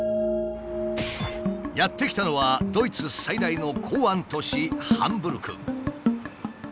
やって来たのはドイツ最大の港湾都市ハンブルク。